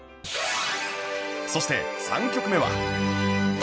そして３曲目は